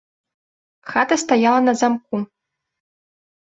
Хата стаяла на замку.